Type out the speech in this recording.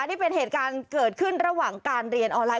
นี่เป็นเหตุการณ์เกิดขึ้นระหว่างการเรียนออนไลน